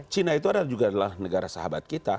cina itu adalah juga negara sahabat kita